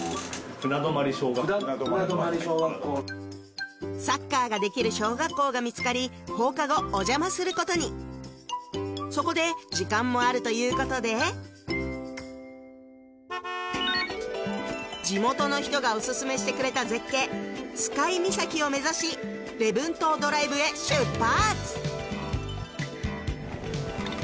船泊「船泊小学校」サッカーができる小学校が見つかり放課後お邪魔することにそこで時間もあるということで地元の人がお薦めしてくれた絶景「澄海岬」を目指し礼文島ドライブへ出発